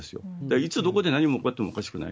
いつどこで何が起こってもおかしくない。